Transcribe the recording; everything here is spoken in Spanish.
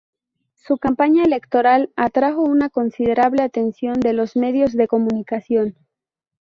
Su campaña electoral atrajo una considerable atención de los medios de comunicación.